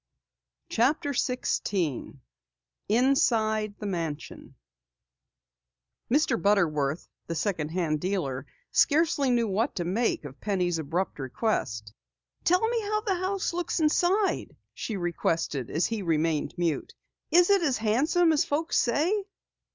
CHAPTER 16 INSIDE THE MANSION Mr. Butterworth, the second hand dealer, scarcely knew what to make of Penny's abrupt request. "Tell me how the house looks inside," she requested as he remained mute. "Is it as handsome as folks say?"